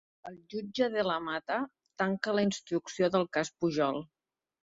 El jutge De la Mata tanca la instrucció del cas Pujol